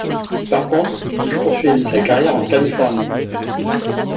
Par contre, il poursuivit sa carrière en Californie.